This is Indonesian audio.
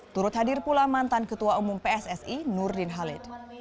turut hadir pula mantan ketua umum pssi nurdin halid